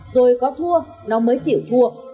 rồi có thua nó mới chịu thua